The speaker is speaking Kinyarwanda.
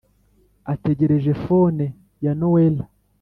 ategereje fone ya noela